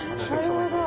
なるほど。